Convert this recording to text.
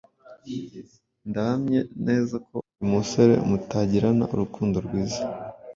ndahamye neza ko uyu musore mutagirana urukundo rwiza